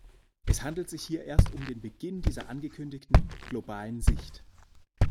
Es handelt sich hier erst um den Beginn dieser angekündigten "globalen Sicht".